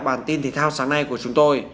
bản tin thể thao sáng nay của chúng tôi